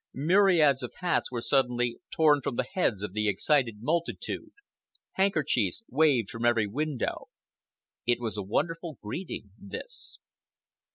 Myriads of hats were suddenly torn from the heads of the excited multitude, handkerchiefs waved from every window. It was a wonderful greeting, this.